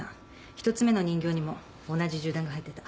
１つ目の人形にも同じ銃弾が入ってた。